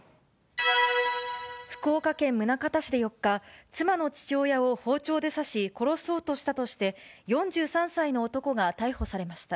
福岡県宗像市で４日、妻の父親を包丁で刺し、殺そうとしたとして、４３歳の男が逮捕されました。